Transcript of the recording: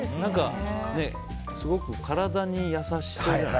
すごく体に優しそうじゃない。